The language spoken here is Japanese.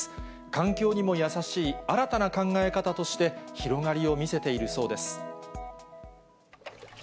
環境にも優しい新たな考え方として、広がりを見せているそうです。